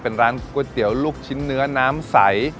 เป็นร้านก๋วยเตี๋ยวลูกชิ้นเนื้อน้ำใส